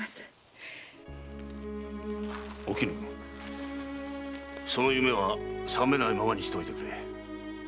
おきぬその夢は覚めないままにしておいてくれ。